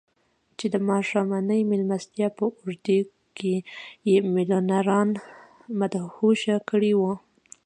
چې د ماښامنۍ مېلمستیا په اوږدو کې يې ميليونران مدهوشه کړي وو.